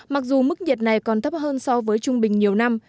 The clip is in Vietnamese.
mặc dù mức nhiệt này còn thấp hơn so với trung bình nhiều năm